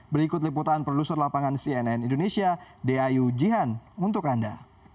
berikut liputan produser lapangan cnn indonesia deayu jihan untuk anda